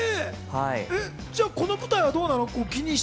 じゃあ、この舞台はどうなの？